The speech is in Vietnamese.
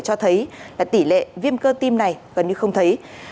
cho thấy tỷ lệ viêm cơ tim này gần như không thấy